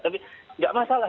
tapi nggak masalah